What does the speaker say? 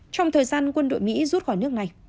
trong thời gian quân đội mỹ rút khỏi nước này